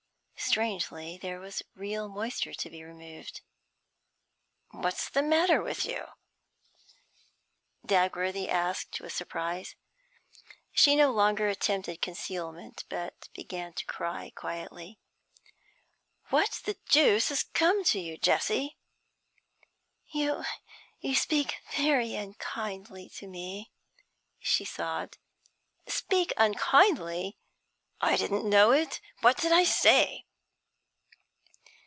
Strangely, there was real moisture to be removed. 'What's the matter with you?' Dagworthy asked with surprise. She no longer attempted concealment, but began to cry quietly. 'What the deuce has come to you, Jessie?' 'You you speak very unkindly to me,' she sobbed. 'Speak unkindly? I didn't know it. What did I say?'